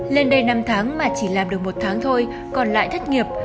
lên đây năm tháng mà chỉ làm được một tháng thôi còn lại thất nghiệp